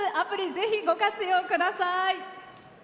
ぜひご活用ください。